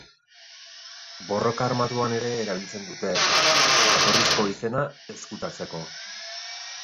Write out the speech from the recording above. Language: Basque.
Borroka armatuan ere erabiltzen dute, jatorrizko izena ezkutatzeko.